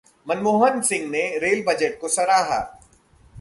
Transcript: मनमोहन सिंह ने rail budget को सराहा